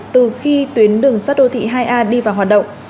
từ khi tuyến đường sắt đô thị hai a đi vào hoạt động